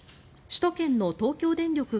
首都圏の東京電力